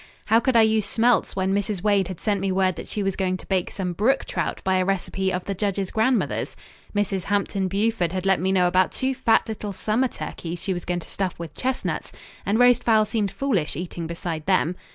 How could I use smelts when Mrs. Wade had sent me word that she was going to bake some brook trout by a recipe of the judge's grandmother's? Mrs. Hampton Buford had let me know about two fat little summer turkeys she was going to stuff with chestnuts, and roast fowl seemed foolish eating beside them.